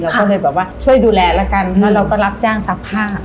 เราก็เลยแบบว่าช่วยดูแลแล้วกันแล้วเราก็รับจ้างซักผ้า